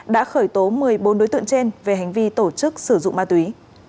đã khởi tố một mươi bốn đối tượng trên về hành vi tổ chức sử dụng ma túy